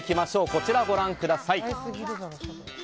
こちらをご覧ください。